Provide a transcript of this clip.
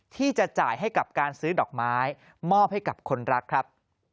ที่จะจ่ายให้กับการซื้อดอกไม้มอบให้กับคนรักครับ